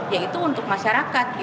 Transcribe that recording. ya itu untuk masyarakat